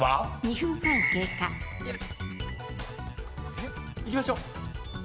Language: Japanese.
えっ？いきましょう。